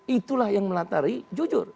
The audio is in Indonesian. itulah yang melatari jujur